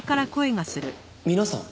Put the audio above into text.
皆さん？